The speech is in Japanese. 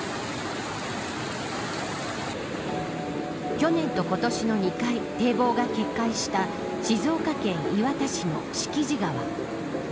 去年と今年の２回堤防が決壊した静岡県磐田市の敷地川。